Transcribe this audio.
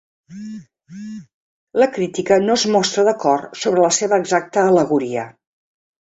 La crítica no es mostra d'acord sobre la seva exacta al·legoria.